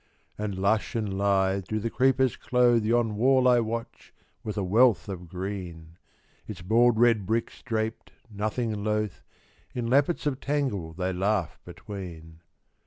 And lush and lithe do the creepers clothe Yon wall I watch, with a wealth of green: Its bald red bricks draped, nothing loath, In lappets of tangle they laugh between.